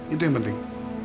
itu yang penting